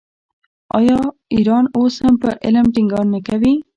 آیا ایران اوس هم په علم ټینګار نه کوي؟